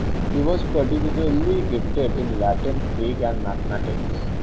He was particularly gifted in Latin, Greek and mathematics.